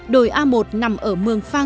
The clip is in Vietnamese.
đồi a một nằm ở mương pháp